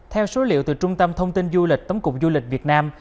theo số liệu từ trung tâm thông tin du lịch tổng cục du lịch việt nam